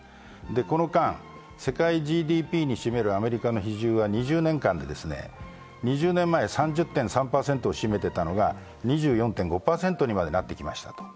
この間、世界ＧＤＰに占めるアメリカの比重は２０年間で、２０年前は３０．３％を占めていたのが２４．５％にまでなってきたと。